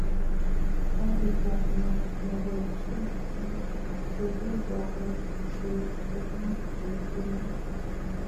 Karit ab maat neboishee stimet kokikokoch bik che chang boishonik